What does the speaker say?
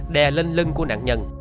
đè lên lưng của nạn nhân